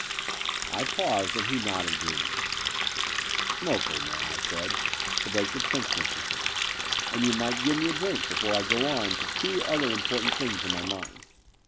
I paused : and he nodded gloomily. Smoke, old man," I said, to break the tenseness of things, * *and you might give me a drink before I go on to two other important things in my mind.